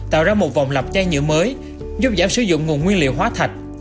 tạo ra một vòng lập chai nhựa mới giúp giảm sử dụng nguồn nguyên liệu hóa thạch